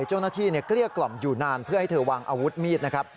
เกลี้ยกล่อมอยู่นานเพื่อให้เธอวางอาวุธมีดนะครับ